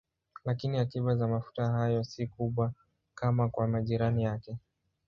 Lakini akiba za mafuta hayo si kubwa kama kwa majirani yake.